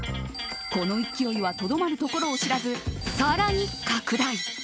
この勢いはとどまるところを知らず更に拡大。